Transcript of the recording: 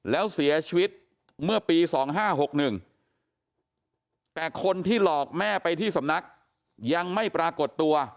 แล้วเสียชีวิตเมื่อปี๒๕๖๑แต่คนที่หลอกแม่ไปที่สำนักยังไม่ปรากฏตัว